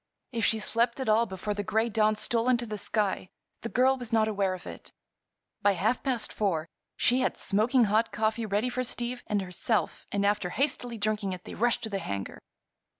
If she slept at all before the gray dawn stole into the sky the girl was not aware of it. By half past four she had smoking hot coffee ready for Steve and herself and after hastily drinking it they rushed to the hangar.